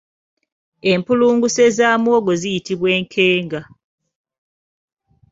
Empulunguse za muwogo ziyitibwa enkenga.